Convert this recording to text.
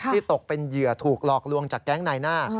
ตกเป็นเหยื่อถูกหลอกลวงจากแก๊งนายหน้า